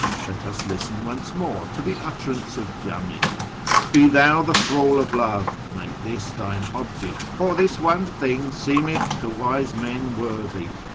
Let us listen once more to the utterance of Jami —" Be thou the thrall of love ; make this thine object ; For this one thing seemeth to wise men worthy.